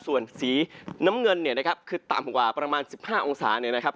ส่วนสีน้ำเงินคือต่ำกว่าประมาณ๑๕องศา